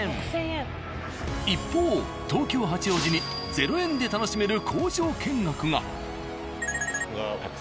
一方東京・八王子に０円で楽しめる工場見学が。